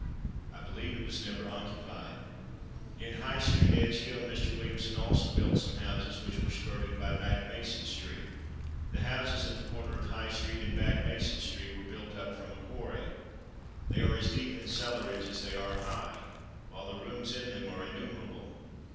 I believe it was never occupied. In High street, Edge hill, Mr. Williamson also built some houses which were skirted by Back Mason street. The houses at the corner of High street and Back Mason street were built up from a quarry. They are as deep in cellarage as they are high, while the rooms in them are innumerable.